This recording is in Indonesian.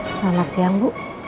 selamat siang bu